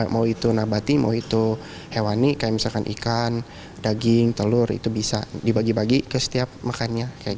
mau itu nabati mau itu hewani kayak misalkan ikan daging telur itu bisa dibagi bagi ke setiap makannya